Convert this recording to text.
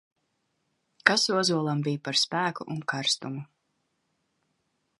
Kas ozolam bija par spēku un karstumu!